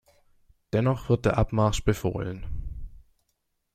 Dennoch wird der Abmarsch befohlen.